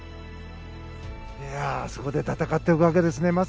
あそこで戦っていくわけですね。